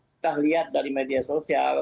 setelah lihat dari media sosial